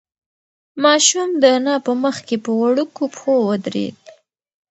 ماشوم د انا په مخ کې په وړوکو پښو ودرېد.